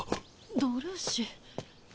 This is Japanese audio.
ドルーシ。